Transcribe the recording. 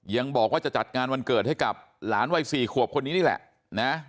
ยังบอกว่าจะจัดงานวันเกิดให้กับหลานวัย๔ขวบคนนี้นี่แหละนะ